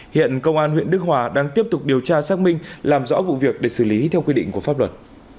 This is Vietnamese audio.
hiện công an huyện đức hòa đang tiếp tục điều tra xác minh làm rõ vụ việc để xử lý theo quy định của pháp luật